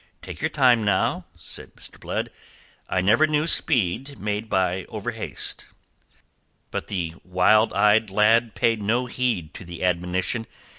"Take your time, now," said Mr. Blood. "I never knew speed made by overhaste." But the wild eyed lad paid no heed to the admonition.